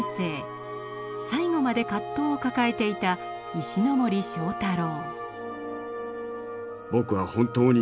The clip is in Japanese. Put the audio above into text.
最後まで葛藤を抱えていた石森章太郎。